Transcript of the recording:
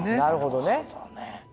なるほどね。